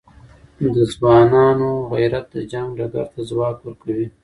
د ځوانانو غیرت د جنګ ډګر ته ځواک ورکوي.